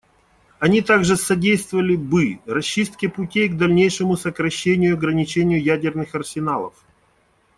Они также содействовали бы расчистке путей к дальнейшему сокращению и ограничению ядерных арсеналов.